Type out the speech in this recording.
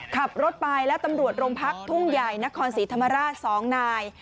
ขับรถไปแล้วตำรวจโรงพักทุ่งใหญ่นครศรีธรรมราช๒นาย